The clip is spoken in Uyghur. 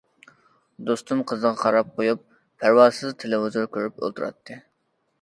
دوستۇم قىزىغا قاراپ قويۇپ پەرۋاسىز تېلېۋىزور كۆرۈپ ئولتۇراتتى.